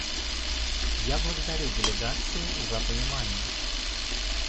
Я благодарю делегации за понимание.